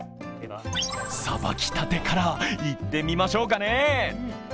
さばきたてからいってみましょうかね。